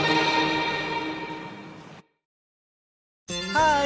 ハーイ！